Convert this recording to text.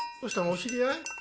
お知り合い？